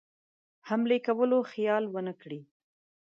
حملې کولو خیال ونه کړي.